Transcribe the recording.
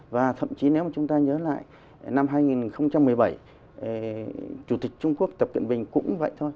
và thậm chí nếu mà chúng ta nhớ lại năm hai nghìn một mươi bảy chủ tịch trung quốc tập cận bình cũng vậy thôi